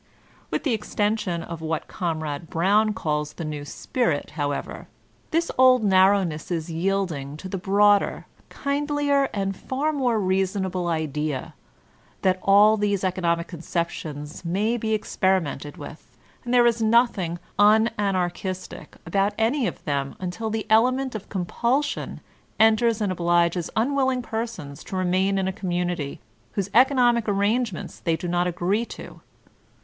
With the extension of what Comrade Brown calk the New Spirit^ however, this old narrowness is yielding to the broader, kindlier and far more reasonable idea, that all these economic conceptions may be experimented with, and there b nothing un Anarchistic about any of them until the dement of compulsion enters and obliges unwilling persons to remain in a community whose economic ar rangements they do not agree to.